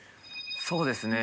そうですね